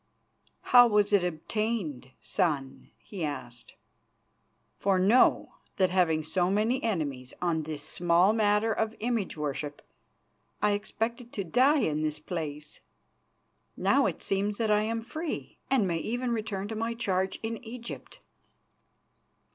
"How was it obtained, son," he asked, "for, know, that having so many enemies on this small matter of image worship, I expected to die in this place? Now it seems that I am free, and may even return to my charge in Egypt."